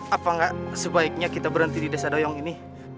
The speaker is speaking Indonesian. apakah sebaiknya kita berhenti di desa doyong ini